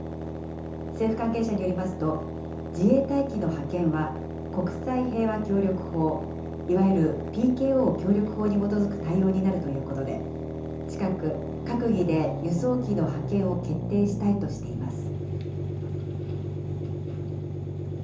政府関係者によりますと、自衛隊機の派遣は、国際平和協力法、いわゆるＰＫＯ協力法に基づく対応になるということで、近く閣議で輸送機の派遣を決定したいとしています。